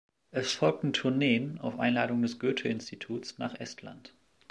Es folgten Tourneen auf Einladung des Goethe-Instituts nach Estland.